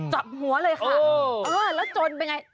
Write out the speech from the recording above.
จับหัวเลยค่ะแล้วจนเป็นไง